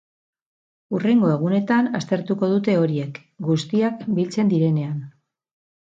Hurrengo egunetan aztertuko dute horiek, guztiak biltzen direnean.